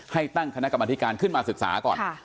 ตั้งคณะกรรมธิการขึ้นมาศึกษาก่อน